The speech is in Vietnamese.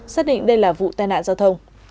xác định đây là vụ tai nạn giao thông